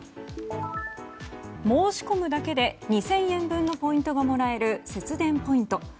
申し込むだけで２０００円分のポイントがもらえる節電ポイント。